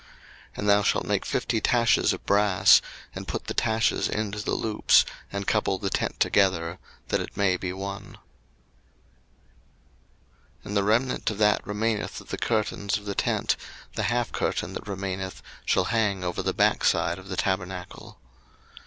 02:026:011 And thou shalt make fifty taches of brass, and put the taches into the loops, and couple the tent together, that it may be one. 02:026:012 And the remnant that remaineth of the curtains of the tent, the half curtain that remaineth, shall hang over the backside of the tabernacle.